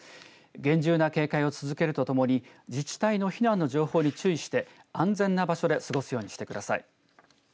厳重な警戒を続けるとともに自治体の避難の情報に注意して安全な場所で過ごすようにしてください。